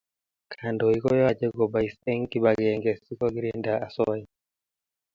Kandoi koyache kobais en kibakeng si kokirinda asoya